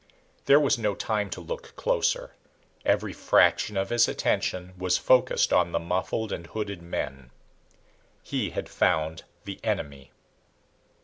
There was no time to look closer. Every fraction of his attention was focused on the muffled and hooded men. He had found the enemy.